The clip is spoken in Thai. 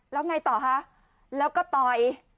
แล้วไงต่อคะแล้วก็ต่อย